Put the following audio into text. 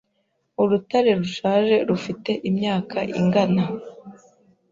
Urutare rushaje rufite imyaka ingana